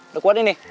udah kuat ini